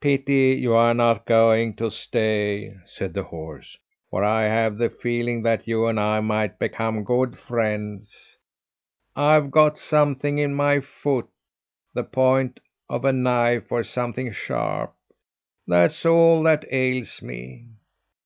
"Pity you're not going to stay," said the horse, "for I have the feeling that you and I might become good friends. I've got something in my foot the point of a knife, or something sharp that's all that ails me.